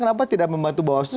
kenapa tidak membantu bawas itu